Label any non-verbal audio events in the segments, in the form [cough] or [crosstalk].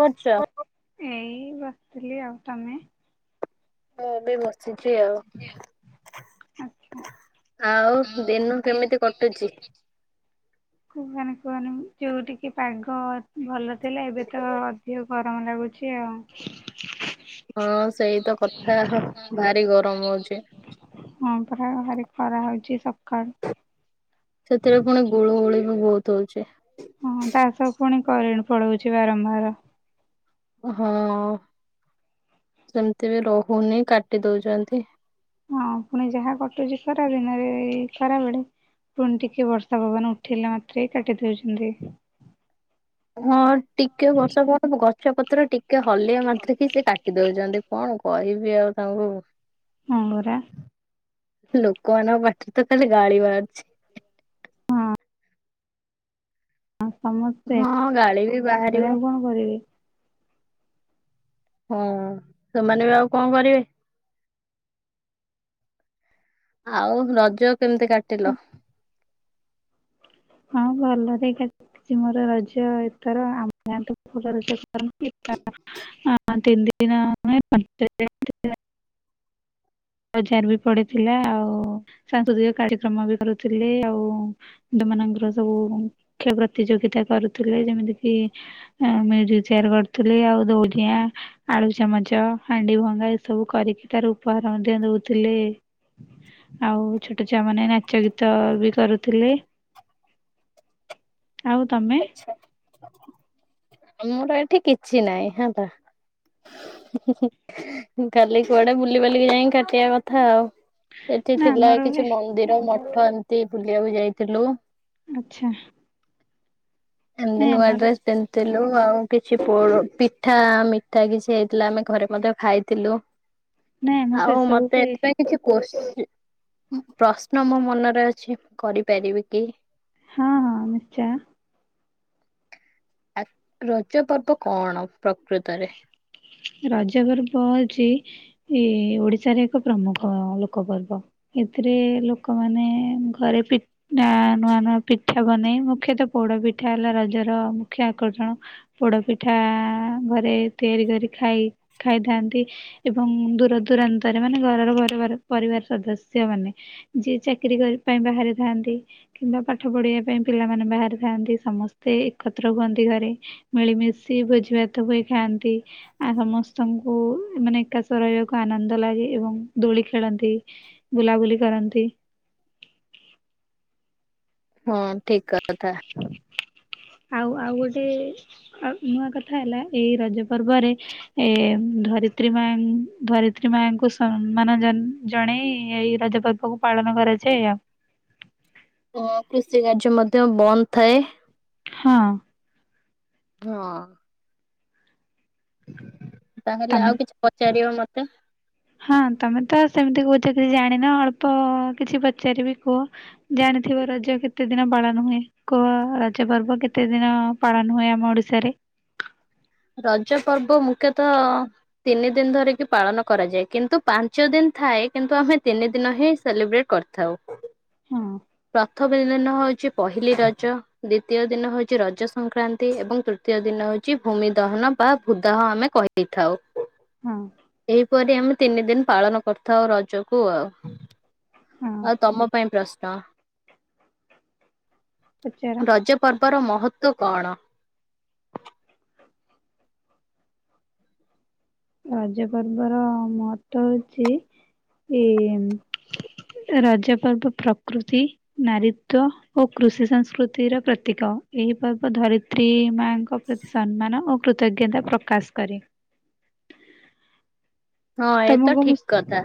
କଞ୍ଚ ଏଇ ବସିଥିଲି ଆଉ ତମେ? ହଁ, ଏବେ ବସିଛି ଆଉ। ଆଚ୍ଛା। ଆଉ ଦିନ କେମିତି କଟୁଛି। [inaudible] କୁହନି କୁହନି ମୁଁ ଯୋଉଠିକି ପାଗ ଭଲ ଥିଲା ଏବେ ତ ଯୋଉ ଗରମ ଲାଗୁଛି ଆଉ। ହଁ ସେଇ ତ କଥା ଭାରି ଗରମ ହଉଛି। ହଁ ପରା ଭାରି ଖରା ହଉଛି ସକାଳୁ। ସେଥିରେ ପୁଣି ଗୁଳୁ ଗୁଳି ବି ବହୁତ ହଉଛି। ହଁ ତା ସ ପୁଣି କରି ପଳଉଛି ବାରମ୍ବାର। ହଁ ସେମିତି ବି ରହୁନି କାଟି ଦଉଛନ୍ତି। ହଁ, ପୁଣି ଯାହା କଟୁଛି ଖରା ଦିନରେ ଏଇ ଖରା ବେଳେ ପୁଣି ଟିକେ ବର୍ଷା ପବନ ଉଠେଇିଲା ମାତ୍ରେ କାଟିଦଉଛନ୍ତି। ହଁ ଟିକେ ବର୍ଷା ପବନ ଗଛ ପତ୍ର ଟିକେ ହଲିବା ମାତ୍ରେ କିି ସେ କାଟି ଦଉଛନ୍ତି କଣ କହିବି ଆଉ ତାଙ୍କୁ। ହଁ ପରା। ଲୋକମାନଙ୍କ ପାଟି ତ ଖାଲି ଗାଳି ବାହାରୁଚି। ହଁ ସମସ୍ତେ ହଁ ଗାଳି ବି ବାହାରିବ। କରିବାକୁ କଣ କରିବେ। ହଁ ସେମାନେ ବି ଆଉ କଣ କରିବ? ଆଉ ରଜ କେମିତି କାଟିଲ? ହଁ ଭଲ ଦେଇ କା କିଛି ମୋର ରଜ ଏଥର ଆମ ତ ଭଲ ରଜ କରନ୍ତି। [unintelligible] ବଜାର ବି ପଡିଥିଲା। ଆଉ ସାଂସ୍କୃତିକ କାର୍ଯ୍ୟକ୍ରମ ବି କରୁଥିଲେ ଆଉ। ପିଲାମାନଙ୍କର ସବୁ ଖେ ପ୍ରତିଯୋଗିତା କରୁଥିଲେ ଯେମିତି କିି ମ୍ୟଜିକ ଚେୟାର କରୁଥିଲେ ଆଉ ଦଉଡିିଆ ଆଳୁ ଚାମଚ, ହାଣ୍ଡି ଭଙ୍ଗା ଏ ସବୁ କରିକି ତାର ଉପହାର ମଧ୍ୟ ଦଉଥିଲେ। ଆଉ ଛୋଟ ଛୁଆ ମାନେ ନାଚ ଗୀତ ବି କରୁଥିଲେ। ଆଉ ତମେ? ଆମର ଏଠି କିଛି ନାହିଁ ହେତା। କାଲି କୁଆଡେ ବୁଲିିବାଲିକି ଯାଇ କାଟିବା କଥା ଆଉ। ଏଠି ନା ଥିଲା ଆମର କିଛି ମନ୍ଦିର ମଠ ଏମିତି ବୁଲିବାକୁ ଯାଇଥିଲୁ। ଆଛା ଏମିତି ନୂଆ ଡ୍ରେସ୍ ପେ- - ଥିଲୁ ଆଉ କିଛି ପୋଡ ପିଠା ମିଠା କିଛି ହେଇଥିଲା ଆମେ ଘରେ ମଧ୍ୟ ଖାଇଥିଲୁ। ନାଇଁ ଆମର ସେ ଆଉ ସବୁ ମତେ ହୁଏ ଏଥିପାଇଁ- - କିଛି କୋଶ୍ଚି ପ୍ରଶ୍ନ ମୋ ମନରେ ଅଛି କରିପାରିବି କି? ହଁ ହଁ ନିଶ୍ଚୟ। ଆ ରଜ ପର୍ବ କଣ ପ୍ରକୃତରେ? ରଜ ଗର୍ବ ହଉଚି। ଏଇ ଓଡିଶାରେ ଏକ ପ୍ରମୁଖ ଲୋକ ପର୍ବ। ଏଥିରେ ଲୋକମାନେ ଘରେ ପି- - ନା ନୂଆ ନୂଆ ପିଠା ବନେଇ ମୁଖ୍ୟତଃ ପୋଡ ପିଠା ହେଲା ରଜର ମୁଖ୍ୟ ଆକର୍ଷଣ। ପୋଡ ପିଠା ଘରେ ତିଆରି କରି ଖାଇ ଖାଇଥାନ୍ତି। ଏବଂ ଦୂର ଦୂରାନ୍ତରେ ମାନେ ଘରର ପରିବାର ପରିବାର ସଦସ୍ୟ ମାନେ। ଯିଏ ଚାକିରୀ କରିବା ପାଇଁ ବାହାରିଥାନ୍ତି। କିମ୍ବା ପାଠ ପଢିବା ପାଇଁ ପିଲାମାନେ ବାହାରାରେି ଥାନ୍ତି ସମସ୍ତେ ଏକତ୍ର ହୁଅନ୍ତି ଘରେ। ମିଳିମିଶି ଭୋଜିଭାତ ହୋଇ ଖାଆନ୍ତି। ଆ ସମସ୍ତଙ୍କୁ ମାନେ ଏକାଶ ରହିବାକୁ ଆନନ୍ଦ ଲାଗେ ଏବଂ ଦୋଳି ଖେଳନ୍ତି। ବୁଲାବୁଲି କରନ୍ତି। ହଁ ଠିକ୍ କଥା। ଆଉ ଆଉ ଗୋଟେ ନୂଆ କଥା ହେଲା ଏଇ ରଜ ପର୍ବରେ ଏ ଧରିତ୍ରୀ ମା ଧରିତ୍ରୀ ମାଙ୍କୁ ସମ୍ମାନ ଜଣେଇ ଏଇ ରଜପର୍ବ- - ସବୁ ପାଳନ କରାଯାଏ। ଆ ହ କୃଷି କାର୍ଯ୍ୟ ମଧ୍ୟ ବନ୍ଦ ଥାଏ। ହଁ ହଁ ତାହେଲେ ତମେ ଆଉ କିଛି ପଚାରିଅ ମତେ। ହଁ ତମେ ତ ସେମିତି କହୁଛ କିଛି ଜାଣିନ ଅଳ୍ପ କିଛି ପଚାରିବି କୁହ। ଜାଣିଥିବ ରଜ କେତେ ଦିନ ପାଳନ ହୁଏ? କୁହ ରଜ ପର୍ବ କେତେ ଦିନ - - ପାଳନ ହୁଏ ଆମ ଓଡିଶାରେ। ରଜ ପର୍ବ ମୁଖ୍ୟତଃ ତିନି ଦିନ ଧରିକି ପାଳନ କରାଯାଏ। କିନ୍ତୁ ପାଞ୍ଚ ଦିନ ଥାଏ କିନ୍ତୁ ଆମେ ତିନି ଦିନ ହିଁ ସେଲିବ୍ରେଟ୍ କରି ଥାଉ ହଁ ପ୍ରଥମ ଦିନ ହଉଛି ପହିଲି ରଜ, ଦ୍ଵିତୀୟ ଦିନ ହଉଛି ରଜ ସଂକ୍ରାନ୍ତି ଏବଂ ତୃତୀୟ ଦିନ ହଉଛି ଭୂମି ଦହନ ବା ଭୃଦାହ ଆମେ କହିଥାଉ। ହଁ। ଏହିପରି ଆମେ ତିନି ଦିନ ପାଳନ କରିଥାଉ ରଜକୁ ଆଉ। ହଁ। ଆଉ ତୋମ ପାଇଁ ପ୍ରଶ୍ନ। ପଚାର ରଜ ପର୍ବର ମହତ୍ଵ କଣ? ରଜ ପର୍ବ ର ମହତ୍ଵ ହଉଛି ଇନ୍ ରଜ ପର୍ବ ପ୍ରକୃତି ନାରୀତ୍ଵ ଓ କୃଷି ସଂସ୍କୃତିର ପ୍ରତୀକ ଏହି ପର୍ବ ଧରିତ୍ରୀ ମାଙ୍କ ପ୍ରତି ସମ୍ମାନ ଓ କୃତଜ୍ଞତା ପ୍ରକାଶ କରେ। ହଁ ଏ ତ ତୋମକୁ ଠିକ ମୁସ୍ କଥା।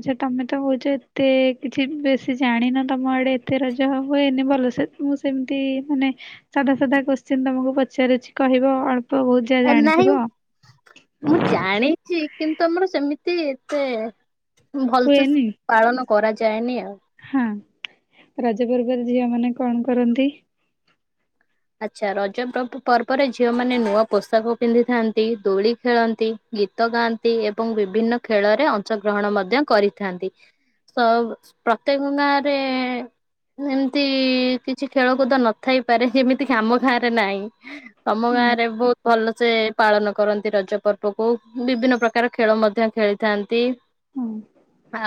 ଆଚ୍ଛା ତୋମେ ତ କଉଛ ଏତେ କିଛି ବେଶୀ ଜାଣିନ ତୋମ ଆଡେ ଏତେ ରଜ ହୁଏନି ଭଲସେ। ମୁଁ ସେମିତି ମାନେ ସାଧା ସାଧା କୋଶ୍ଚେନ୍ ତୋମକୁ ପଚାରୁଛି କହିବ ଅଳ୍ ଏ ନାହିଁ ମୁଁ ଜାଣିଛି କିନ୍ତୁ ଆମର ସେମିତି ଏତେ ଭଲସେ ହୁଏନି ପାଳନ କରାଯାଏନି ଆଉ। ହଁ, ରଜ ପର୍ବରେ ଝିଅ ମାନେ କଣ କରନ୍ତି? ଆଚ୍ଛା ରଜ ପବ ପର୍ବରେ ଝିଅମାନେ ନୂଆ ପୋଷାକ ପିନ୍ଧିଥାନ୍ତି ଦୋଳି ଖେଳନ୍ତି। ଗୀତ ଗାଆନ୍ତି ଏବଂ ବିଭିନ୍ନ ଖେଳରେ ଅଂଶ ଗ୍ରହଣ ମଧ୍ୟ କରିଥାନ୍ତି। ସଉ ପ୍ରତ୍ୟେକ ଗାଆଁରେ [unintelligible] ଏମିତି କିଛି ଖେଳକୁଦ ନଥାଇପାରେ ଯେମିତି କି ଆମ ଗାଁରେ ନାହିଁ। ଆମ ହଁ ଗାଁରେ ବହୁତ ଭଲସେ ପାଳନ କରନ୍ତି ରଜ ପର୍ବକୁ ବିଭିନ୍ନ ପ୍ରକାର ଖେଳ ମଧ୍ୟ ଖେଳି ଥାନ୍ତି। ହଁ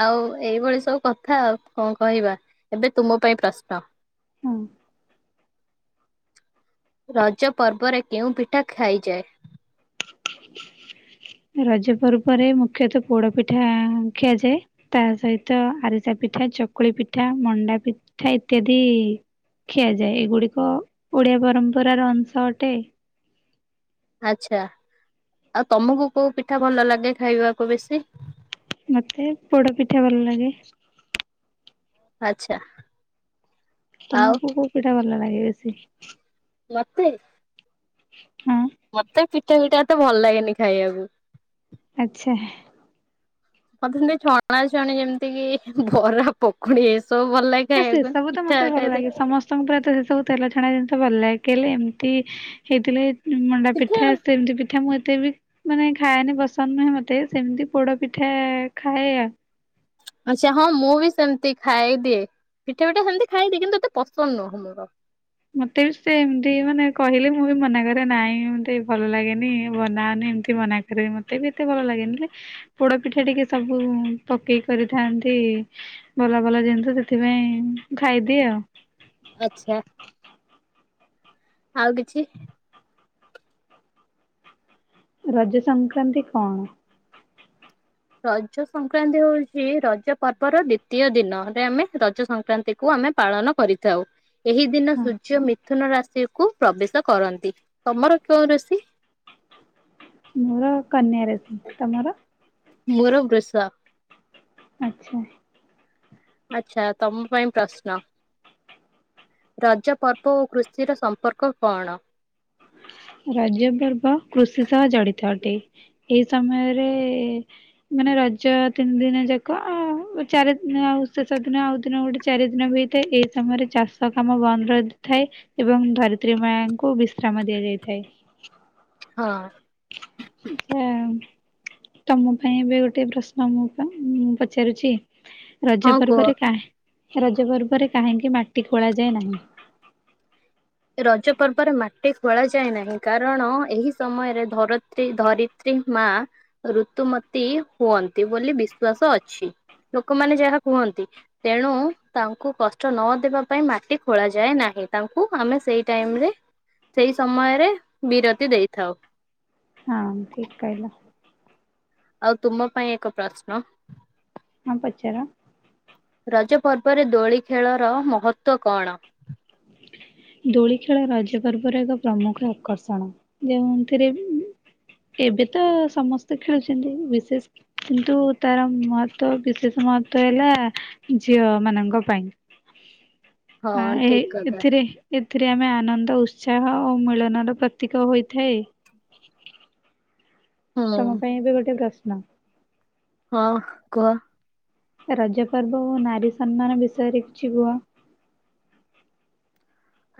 ଆଉ ଏଇଭଳି ସବୁ କଥା ଆଉ କଣ କହିବା? ଏବେ ତୁମ ପାଇଁ ପ୍ରଶ୍ନ। ହଁ। ରଜ ପର୍ବରେ କେଉଁ ପିଠା ଖାଇଯାଏ। ରଜ ପର୍ବରେ ମୁଖ୍ୟତଃ ପୋଡ ପିଠା ଖିଆଯାଏ। ତା ସହିତ ଆରିସା ପିଠା, ଚକୁଳି ପିଠା, ମଣ୍ଡା ପିଠା ଇତ୍ୟାଦି। ଖିଆଯାଏ। ଏଗୁଡିକ ଓଡିଆ ପରମ୍ପରାର ଅଂଶ ଅଟେ। ଆଚ୍ଛା ଆଉ ତୋମକୁ କୋଉ ପିଠା ଭଲ ଲାଗେ ଖାଇବାକୁ ବେଶୀ? ମୋତେ ପୋଡ ପିଠା ଭଲ ଲାଗେ। ଆଚ୍ଛା। ଆଉ ତୋମକୁ କୋଉ ପିଠା ଭଲ ଲାଗେ ବେଶୀ? ମୋତେ? ହଁ। ମୋତେ ପିଠା ଫିଠା ଏତେ ଭଲ ଲାଗେନି ଖାଇଆକୁ। ଆଚ୍ଛା ହେ ମୋତେ ସେମିତି ଛଣାଛଣି ଯେମିତି କି ବରା, ପକୁଡି ଏସବୁ ଭଲ ଲାଗ ହଁ ସେ ସବୁ ତ ମୋତେ ଭଲ ଲାଗେ ସମସ୍ ସମସ୍ତଙ୍କୁ ପ୍ରାୟତଃ ସେ ସବୁ ତେଲ ଛଣା ଜିନିଷ ଭଲ ଲାଗେ କେଲେ ଏମିତି ହେଇଥିଲେ ମଣ୍ଡା ପିଠା ସମତି ପିଠା ମୁଁ ଏତେ ବି ମାନେ ଖାଏନି ପସନ୍ଦ ନୁହେଁ ମୋତେ ସେମିତି ପୋଡ ପିଠା ଖାଏ ଆଉ। ଆଚ୍ଛା ହଁ ମୁଁ ବି ସେମତି ଖାଇଦିଏ। ପିଠା ଫିଠା ସେମିତି ଖାଇଦିଏ କିନ୍ତୁ ଏତେ ପସନ୍ଦ ନୁହଁ ମୋର। ମତେ ବି ସେ ଏମତି ମାନେ କହିଲେ ମୁଁ ବି ମନା କରେ ନାଇଁ ମତେ ଭଲ ଲାଗେନି ବନାଅନି ଏମତି ମନା ରେ ମତେ ବି ଏତେ ଭଲ ଲାଗେନି ହେଲେ ପୋଡ ପିଠା ଟିକେ ସବୁ ଉଁ ପକେଇ କରିଥାନ୍ତି। ଭଲ ଭଲ ଜିନିଷ ସେଥିପାଇଁ ମୁଁ ଖାଇଦିଏ ଆଉ। ଆଛା ଆଉ କିଛି ରଜ ସଂକ୍ରାନ୍ତି କଣ? ରଜ ସଂକ୍ରାନ୍ତି ହଉଚି ରଜ ପର୍ବର ଦ୍ଵିତୀୟ ଦିନରେ ଆମେ ରଜ ସଂକ୍ରାନ୍ତି କୁ ଆମେ ପାଳନ କରିଥାଉ। ଏହି ଦିନ ହଁ ସୂର୍ଯ୍ୟ ମିଥୁନ ରାଶିକୁ ପ୍ରବେଶ କରନ୍ତି ତମର କେଉଁ ରାଶି? ମୋର କନ୍ୟା ରାଶି ତମର। ମୋର ବୃଷ। ଆଚ୍ଛା। ଆଚ୍ଛା ତମ ପାଇଁ ପ୍ରଶ୍ନ ରଜ ପର୍ବ ଓ କୃଷିର ସମ୍ପର୍କ କଣ? ରଜ ପର୍ବ କୃଷି ସହ ଜଡିତ ଅଟେ ଏଇ ସମୟରେ ମାନେ ରଜ ତିନ ଦିନ ଯାକ ଆଉ ଚାରି ଦିନ ଆଉ ଶେଷ ଦିନ ଆଉ ଦିନ ଗୋଟେ ଚାରି ଦିନ ବି ହେଇଥାଏ ଏଇ ସମୟରେ ଚାଷ କାମ ବନ୍ଦ ରହିଥାଏ। ଏବଂ ଧରିତ୍ରୀ ମାଙ୍କୁ ବିଶ୍ରାମ ଦିଆଯାଇଥାଏ। ହଁ। ଆଚ୍ଛା ତମ ପାଇଁ ଏବେ ଗୋଟିଏ ପ୍ରଶ୍ନ ମୁଁ ପା ମୁଁ ପଚାରୁଛି। ରଜ ହଁ କୁହ। ପର୍ବରେ କା ରଜ ପର୍ବରେ କାହିଁକି ମାଟି ଖୋଳା ଯାଏ ନାହିଁ? ରଜ ପର୍ବରେ ମାଟି ଖୋଳାଯାଏ ନାହିଁ କାରଣ ଏହି ସମୟରେ ଧରତ୍ରୀ ଧରି ତ୍ରୀ ମା ଋତୁମତୀ ହୁଅନ୍ତି ବୋଲି ବିଶ୍ଵାସ ଅଛି। ଲୋକମାନେ ଯାହା କୁହନ୍ତି ତେଣୁ ତାଙ୍କୁ କଷ୍ଟ ନ ଦେବା ପାଇଁ ମାଟି ଖୋଳାଯାଏ ନାହିଁ ତାଙ୍କୁ ଆମେ ସେଇ ଟାଇମରେ ସେଇ ସମୟରେ ବିରତି ଦେଇଥାଉ। ହଁ ଠିକ୍ କହିଲ। ଆଉ ତୁମ ପାଇଁ ଏକ ପ୍ରଶ୍ନ। ହଁ ପଚାର। ରଜ ପର୍ବରେ ଦୋଳି ଖେଳର ମହତ୍ଵ କଣ? ଦୋଳି ଖେଳ ରଜ ପର୍ବରେ ଏକ ପ୍ରମୁଖ ଆକର୍ଷଣ ଯେଉଁଥିରେ ଉଁ ଉଁ ଏବେ ତ ସମସ୍ତେ ଖେଳୁଛନ୍ତି ବିଶେଷ କିନ୍ତୁ ତାର ମହତ୍ଵ ବିଶେଷ ମହତ୍ଵ ହେଲା ଝିଅମାନଙ୍କ ପାଇଁ। [inaudible] ଆଁ ଏ ଠିକ କଥା ଏଥିରେ ଏଥିରେ ଆମେ ଆନନ୍ଦ ଉତ୍ସାହ ଓ ମିଳନର ପ୍ରତୀକ ହୋଇଥାଏ। ହୁଁ ତମ ପାଇଁ ଏବେ ଗୋଟେ ପ୍ରଶ୍ନ। ହଁ କୁହ। ରଜ ପର୍ବ ଓ ନାରୀ ସମ୍ମାନ ବିଷୟରେ କିଛି କୁହ।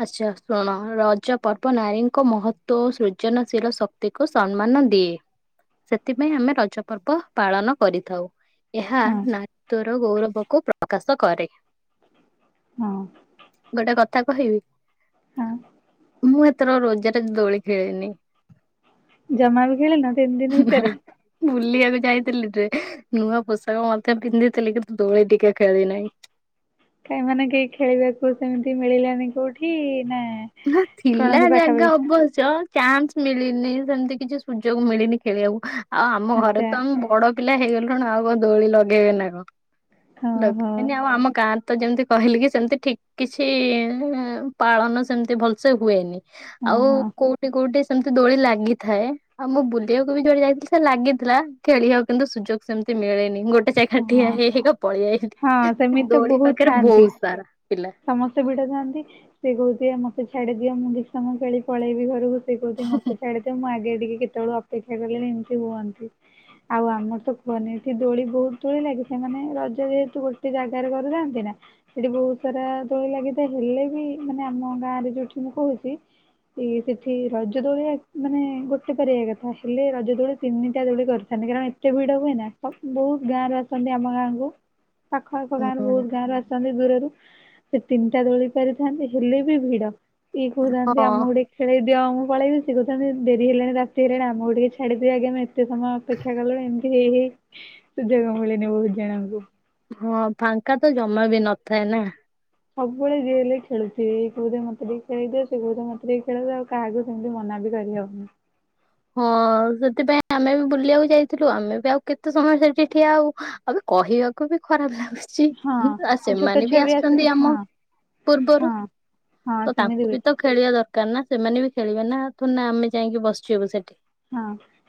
ଆଚ୍ଛା ଶୁଣ ରଜ ପର୍ବ ନାରୀଙ୍କ ମହତ୍ଵ ଓ ସୃଜନଶୀଳ ଶ କ୍ତିକୁ ସମ୍ମାନ ଦିଏ ସେଥିପାଇଁ ଆମେ ରଜ ପର୍ବ ପାଳନ କରିଥାଉ। ଏହା ହଁ ନାରୀତ୍ୱର ଗୌରବକୁ ପ୍ରକାଶ କରେ। ହଁ। ଗୋଟେ କଥା କହିବି? ହଁ ମୁଁ ଏଥର ରୋଜରେ ଦୋଳି ଖେଳିନି। ଜମା ବି ଖଳୀନ ତିନି ଦିନ ଭିତରେ? ବୁଲିବାକୁ ଯାଇଥିଲି ଟେ ନୂଆ ପୋଷାକ ମଧ୍ୟ ପିନ୍ଧିଥିଲି କିନ୍ତୁ ଦୋଳି ଟିକେ ଖେଳି ନାହିଁ। କାଇଁ ମାନେ କେହି ଖେଳିବାକୁ ସେମିତି ମିଳିଲାନି କୋଉଠି ନା ନା କଣ ଥିଲା ଏମିତି ଜାଗା ପାଖାପାଖି ଅବଶ୍ୟ। ଚାନ୍ସ ମିଳିନି ସେମିତି କିଛି ସୁଯୋଗ ମିଳିନି ଖେଳିବାକୁ ଆଉ ଆମ ଘରେ ଆଚ୍ଛା ତ ଆମ ବଡ। ପିଲା ହେଇଗଲୁଣୁ ଆଉ କଣ ଦୋଳି ଲଗେଇବେ ନା କଣ ଓହୋ ଲଗେଇନି ଆଉ ଆମ ଗାଁ ତ ଯେମିତି କହିଲି କି ସେମିତି ଠିକ୍ କିଛି ପାଳନ ସେମିତି ଭଲସେ ହୁଏନି। ହଁ ଆଉ ହଁ କୋଉଠି କୋଉଠି ସେମିତି ଦୋଳି ଲାଗିଥାଏ। ଆଉ ମୁଁ ବୁଲିବାକୁ ବି ଯୁଆଡେ ଯାଇଥିଲି ସେ ଲାଗିଥିଲା ଖେଳିବାକୁ କିନ୍ତୁ ସୁଯୋଗ ସେମିତି ମିଳେନି। ଗୋଟେ ଯାଇକି ଖାଲି ଠିଆ ହଁ। ହେଇ ହେଇକା ପଳେଇ ହଁ ସେମିତି ଆଇଲି ତ ଦୋଳି ବହୁତ ପାଖରେ ଥାଆନ୍ତି। ବହୁତ ସାରା ପିଲା। ସମସ୍ତେ ଭିଡ ଥାନ୍ତି ସେ କହୁଚି ମତେ ଛାଡି ଦିଅ ମୁଁ ଦି ସମ ପଳେଇବି ଘରକୁ। ସେ କହୁଚି ମତେ ଛାଡ଼ିଦିଅ ମୁଁ ଆଗେ ଟିକେ କେତେବେଳେ ଅପେକ୍ଷା କଲେଣି ଏମିତି ହୁଅନ୍ତି। ଆଉ ଆମର ତ କୁହନି ଏଠି ଦୋଳି ବହୁତ ତୁଳି ଲାଗି ସେମାନେ ରଜ ଯେହେତୁ ଗୋଟେ ଜାଗାରେ କରୁଥାନ୍ତି ନା। ସେଠି ବହୁତ ସାରା ଦୋଳି ଲାଗିଥା ହେଲେ ବି ମାନେ ଆମ ଗାଁ ରେ ଯୋଉଠି ମୁଁ କହୁଛି। ସିଏ ସେଠି ରଜ ଦୋଳି ମାନେ ଗୋଟେ ପରିବା କଥା ହେଲେ ରଜ ଦୋଳେ ତିନିଟା ଦୋଳେ କରି ମାନେ କାରଣ ଏତେ ଭିଡ ହୁଏ ନା ସତ ବହୁତ। ଗାଁ ରେ ଅସନ୍ତି ଆମ ଗାଁଙ୍କୁ ପାଖଆଖ ଗାଁ ରେ ହୁଁ। ବହୁତ ଗାଁ ରେ ଆ ଅଛନ୍ତି ଦୂରରୁ ସେ ତିନିଟା ଦୋଳି ପାରିଥାନ୍ତି ହେଲେ ବି ଭିଡ। ଇଏ କହୁନାହାନ୍ତି ହଁ ଆମକୁ ଟିକେ ଖେଳେଇ ଦିଅ ମୁଁ ପଳେଇବି ସେ କହୁଥାନ୍ତି ଡେରି ହେଲାଣି ରାତି ହେଲାଣି ଆମକୁ ଟିକେ ଛାଡିଦିଅ ଆଜ୍ଞା ମ୍ୟାମ୍। କେତେ ସମୟ ଅପେକ୍ଷା କଲେଣି ଏମିତି ହେଇ ହେଇ ସୁଯୋଗ ମିଳେନି ବହୁତ ଜଣଙ୍କୁ। ହଁ ଫାଙ୍କା ତ ଜମା ବି ନଥାଏ ନା। ସବୁବେଳେ ଯିଏ ହେଲେ ବି ଖେଳୁଥିବି ଇଏ କାହୁଥିବ ମତେ ଟିକେ ଖେଳେଇଦିଅ ସେ କହୁଥିବ ମତେ ଟିକେ ଖେଳେଇଦିଅ। ଆଉ କାହାକୁ ସେମିତି ମନା ବି କରିହବନି। ହଁ ସେଥିପାଇଁ ଆମେ ବି ବୁଲିବାକୁ ଯାଇଥିଲୁ ଆମେ ବି ଆଉ କେତେ ସମୟ ସେଠି ଠିଆ ହବୁ। ଆବେ କହିବାକୁ ବି ଖରାପ ଲାଗୁଛି। ସେ ଆ ହଁ ଛୋଟ ସେମାନେ ଛୁଆ ବି ଆସିଲେ ଆସିଛନ୍ତି ହଁ ଆମ ହଁ ପୂର୍ବରୁ। ହଁ ତ ସେମିତି ତାଙ୍କୁ ହୁଏ। ବି ତ ଖେଳିବା ଦରକାର ନା ସେମାନେ ବି ଖେଳିବେ ନା ଥୋଡ଼ିନା ଆମେ ଯାଇକି ବସିଛୁ ଏବେ ସେଠି। ହଁ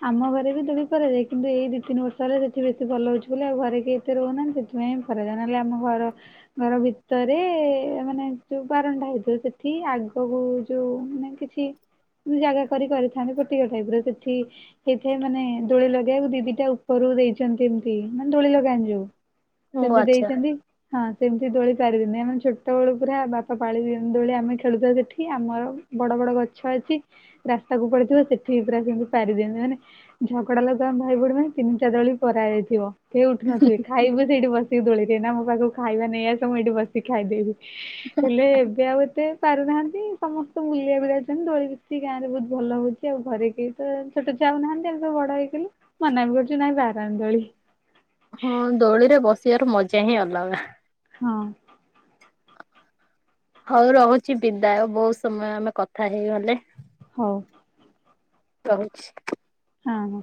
ଆମ ଘରେ ବି ସେମିତି କରାଯାଏ କିନ୍ତୁ ଏଇ ଦି ତିନି ବର୍ଷ ରେ ସେଠି ବେଶୀ ଭଲ ହଉଛି ବୋଲି ଆଉ ଘରେ କେ ହିଁ ରହୁନାହାନ୍ତି ସେଥିପାଇଁ ଘରେ ଜଣେଇଲେ ଆମ ଘର ଘର ଭିତରେ ମାନେ ଯୋଉ ବାରଣ୍ଡା ହେଇଥାଏ ସେଠି ଆଗକୁ ଯୋଉ ମାନେ କିଛି ମୁଁ ଜାଗା କରି କରିପାରିଥାନ୍ତି ସେଠିକା ଟାଇପ୍ ର ସେଠି ସେଇଥିପାଇଁ ମାନେ ଦୋଳି ଲଗେଇବାକୁ ଦିଦିଟା ଉପରୁ ଦେଇଛନ୍ତି ଏମତି ମାନେ ଦୋଳି ଲଗାନ୍ତି ଯୋଉ। ଓ ସେମତି ଆଚ୍ଛା ଦେଇଛନ୍ତି। ହଁ ସେମିତି ଦୋଳି ପାରିବିନି ଆମେ ଛୋଟବେଳୁ ପୁରା ବାପା ପାଳି ଦୋଳି ଆମେ ଖେଳୁଥାଉ ସେଠି ଆମର। ବଡ ବଡ ଗଛ ଅଛି ରାସ୍ତାକୁ ପଡିଥିବ ସେଠି। ପୁରା ସେମିତି ପାରି ଦିଅନ୍ତି ମାନେ ଝଗଡା ଲାଗୁ ଆମେ ଭାଇ ଭଉଣୀ ମାନେ ତିନିଟା ଦୋଳି ପରା ଯାଇଥିବ। କେହି ଉଠୁନଥିବେ ଖାଇବୁ ସେଇଠି ବସିକି ଦୋଳିରେ ନା ଆମ ପାଖକୁ ଖାଇବା ନେଇଆସ ମୁଁ ଏଇଠି ବସିକି ଖାଇଦେବି। ହେଲେ ଏବେ ଆଉ ଏତେ ପାରୁନାହାନ୍ତି ସମସ୍ତେ ବୁଲିଆକୁ ଯାଉଚନ୍ତି ଦୋଳି ବି ଗାଁରେ ବହୁତ୍ ଭଲ ହଉଚି ଆଉ ଘରେ କେହି ତ ଛୋଟ ଛୁଆ ଆଉ ନାହାନ୍ତି ଆମେ ତ ବଡ ହେଇଗଲୁ, ମନା ବି କରୁଚୁ ନାଇଁ [unintelligible] ଦୋଳି। ହଁ ଦୋଳି ରେ ବସିଆର ମଜା ହିଁ ଅଲଗା। ହଁ। ହଉ ରହୁଚି ବିଦାୟ, ବହୁତ୍ ସମୟ ଆମେ କଥା ହେଇଗଲେ। ହଉ। ରହୁଚି। ହଁ।